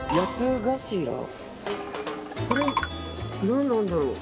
これ、何なんだろう。